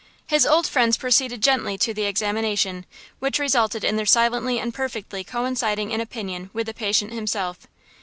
His old friends proceeded gently to the examination, which resulted in their silently and perfectly coinciding in opinion with the patient himself.